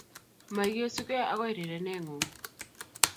Magesugei agoi rirenengung